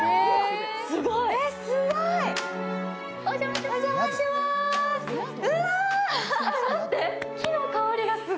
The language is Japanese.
お邪魔します。